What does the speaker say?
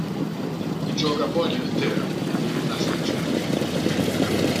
Gioca poi nel Teramo, per una stagione.